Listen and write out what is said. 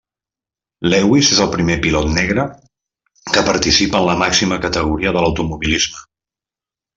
Lewis és el primer pilot negre que participa en la màxima categoria de l'automobilisme.